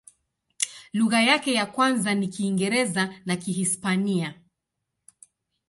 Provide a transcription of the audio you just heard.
Lugha yake ya kwanza ni Kiingereza na Kihispania.